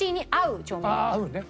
「合う」ね。